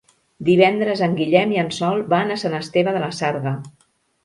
Divendres en Guillem i en Sol van a Sant Esteve de la Sarga.